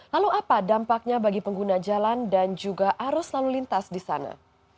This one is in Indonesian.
lalu apa dampaknya bagi pengguna jalan dan juga arus lalu lintas di sana